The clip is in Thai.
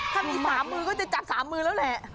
ถ้ามี๓มือก็จะจับ๓มือแล้วแหละ